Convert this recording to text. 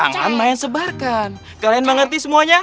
jangan main sebarkan kalian mengerti semuanya